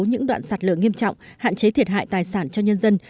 những đoạn sạt lở nghiêm trọng hạn chế thiệt hại tài sản cho nhân dân